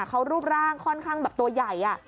เขารูปร่างค่อนข้างแบบตัวใหญ่